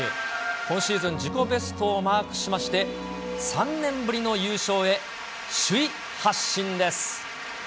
今シーズン、自己ベストをマークしまして、３年ぶりの優勝へ、首位発進です。